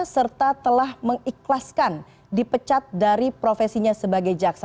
serta telah mengikhlaskan dipecat dari profesinya sebagai jaksa